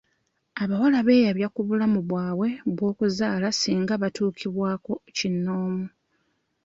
Abawala beyabya ku bulamu bwabwe obw'okuzaala singa batuukibwako kinnoomu.